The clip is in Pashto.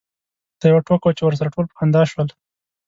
دا یوه ټوکه وه چې ورسره ټول په خندا شول.